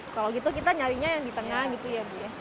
kalau gitu kita nyarinya yang di tengah gitu ya bu ya